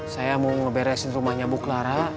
saya mau ngeberesin rumahnya bu clara